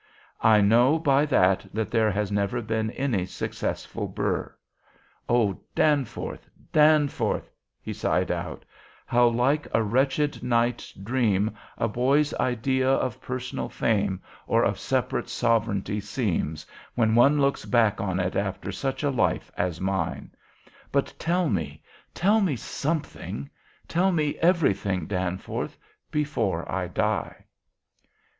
I know by that that there has never been any successful Burr, O Danforth, Danforth,' he sighed out, 'how like a wretched night's dream a boy's idea of personal fame or of separate sovereignty seems, when one looks back on it after such a life as mine! But tell me, tell me something, tell me everything, Danforth, before I die!'